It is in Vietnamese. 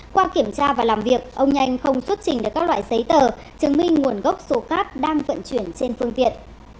qua kiểm tra và làm việc ông nhanh không xuất trình được các loại giấy tờ chứng minh nguồn gốc số cát đang vận chuyển trên phương tiện